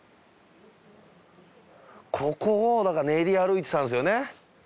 ここを練り歩いてたんですよね